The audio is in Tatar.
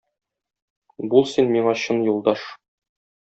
Бул син миңа чын юлдаш.